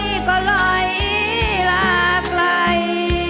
ดูไว้คือต่อจากน้อยก็ไหลลากลัย